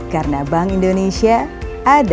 karena bank indonesia ada